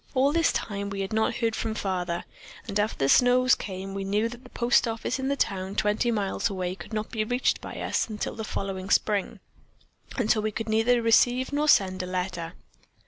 In all this time we had not heard from Father, and after the snows came we knew the post office in the town twenty miles away could not be reached by us until the following spring, and so we could neither receive nor send a letter.